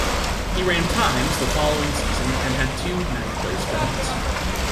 He ran times the following season and had two ninth-place runs.